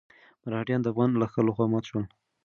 مرهټیان د افغان لښکرو لخوا مات شول.